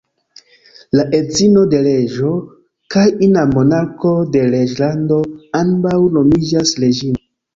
La edzino de reĝo, kaj ina monarko de reĝlando, ambaŭ nomiĝas "reĝino".